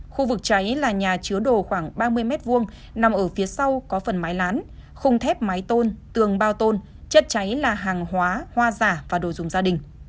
khu vực cháy là nhà chứa đồ khoảng ba mươi m hai nằm ở phía sau có phần mái lán khung thép mái tôn tường bao tôn chất cháy là hàng hóa hoa giả và đồ dùng gia đình